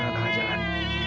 jangan nang jangan